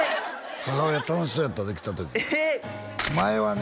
母親楽しそうやったで来た時前はね